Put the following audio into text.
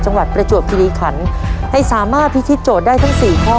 ประจวบคิริขันให้สามารถพิธีโจทย์ได้ทั้งสี่ข้อ